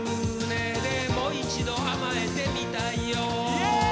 イエーイ！